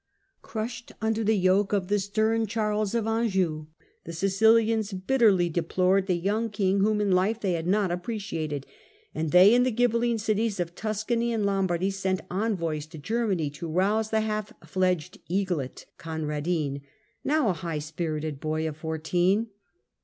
Crushed under the yoke of the stern Charles of Anjou, the Sicilians bitterly deplored the young king whom in life they had not appreciated, and they and the Ghibeline cities of Tuscany and Lombardy sent envoys to Germany to " rouse the half fledged eaglet " Conradin, now a high spirited boy of fourteen.